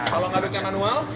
kalau mengaduknya manual